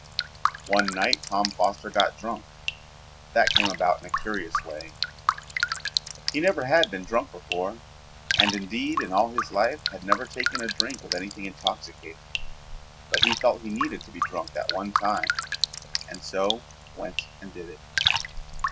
One night Tom Foster got drunk. That came about in a curious way. He never had been drunk before, and indeed in all his life had never taken a drink of anything intoxicating, but he felt he needed to be drunk that one time and so went and did it.